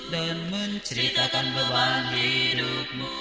dan menceritakan beban hidupmu